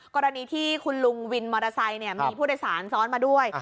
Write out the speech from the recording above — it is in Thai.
กรณีที่คุณลุงวินมอเตอร์ไซค์มีผู้โดยสารซ้อนมาด้วย